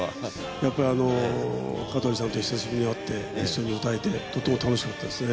やっぱりあの香取さんと久しぶりに会って一緒に歌えてとても楽しかったですね。